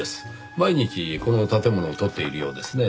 毎日この建物を撮っているようですねぇ。